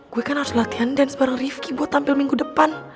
gue kan harus latihan dance bareng rifki buat tampil minggu depan